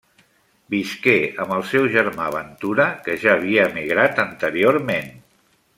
Visqué amb el seu germà Ventura que ja havia emigrat anteriorment.